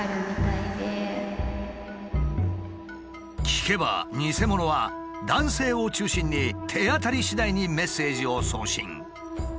聞けばニセモノは男性を中心に手当たりしだいにメッセージを送信。